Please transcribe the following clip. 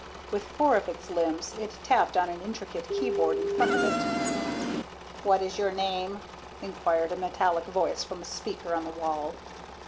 With four of its limbs it tapped on an intricate keyboard in front of it. "What is your name?" queried a metallic voice from a speaker on the wall.